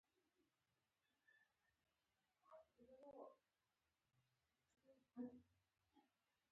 ویل : یا .